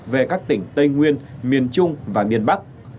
về các tỉnh tây nguyên miền trung và miền bắc